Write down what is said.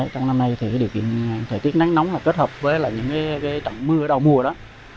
trong năm nay thì điều kiện thời tiết nắng nóng kết hợp với những trận mưa đầu mùa đó